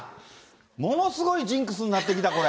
ものすごいジンクスになってきた、これ。